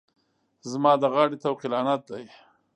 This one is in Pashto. زما د غاړې طوق لعنت دی.